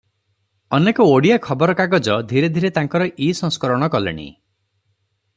ଅନେକ ଓଡ଼ିଆ ଖବରକାଗଜ ଧୀରେ ଧୀରେ ତାଙ୍କର ଇ-ସଂସ୍କରଣ କଲେଣି ।